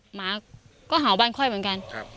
หมาก็เห่าบ้านค่อยเหมือนกัน